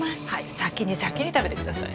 先に先に食べて下さい。